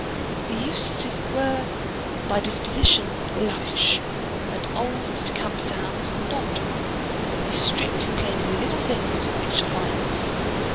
The Eustaces were by disposition lavish, and old Mr. Camperdown was not one who would be strict in claiming little things for rich clients.